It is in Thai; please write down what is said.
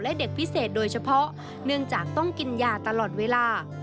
และเด็กพิเศษโดยเฉพาะเนื่องจากต้องกินยาตลอดเวลา